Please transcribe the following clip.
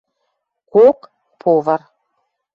Кок — повар.